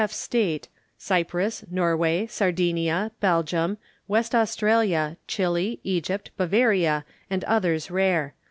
F. State, Cyprus, Norway, Sardinia, Belgium, West Australia, Chili, Egypt, Bavaria, and others rare.